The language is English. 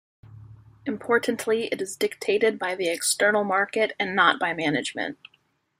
Importantly, it is dictated by the external market and not by management.